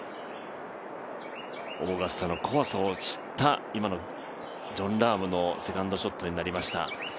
オーガスタの怖さを知った今のジョン・ラームのセカンドショットになりました。